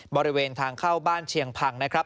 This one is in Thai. บริเวณทางเข้าบ้านเชียงพังนะครับ